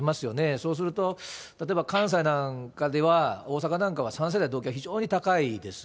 そうすると、例えば関西なんかでは、大阪なんかは３世代同居が非常に高いです。